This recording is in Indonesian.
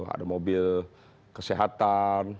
ada mobil kesehatan